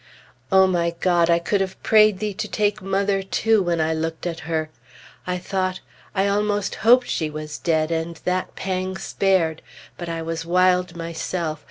O my God! I could have prayed Thee to take mother, too, when I looked at her. I thought I almost hoped she was dead, and that pang spared! But I was wild myself.